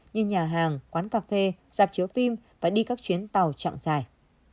như nhà hàng quán cà phê dạp chiếu phim và đi các chuyến tàu chặng dài